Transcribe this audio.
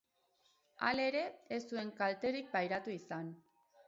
Halere, ez zuen kalterik pairatu izan.